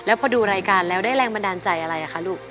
พอดูรายการแล้วได้แรงบันดาลใจอะไรคะลูก